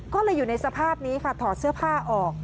ก็เลยอยู่ในสภาพนี้ค่ะถอดเสื้อผ้าออก